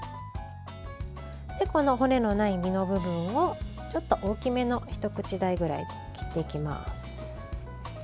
骨のない身の部分をちょっと大きめの一口大ぐらいに切っていきます。